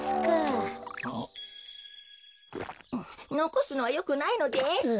のこすのはよくないのです。